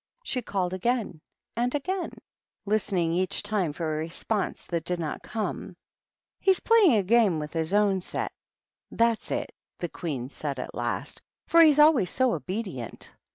She called again and again, listening each time for a response that did not come. " He's playing a game with his own set, that's (( a 144 THE RED QUEEN AND THE DDCHESS. it," the Queen said, at last ;" for he's always to obedient.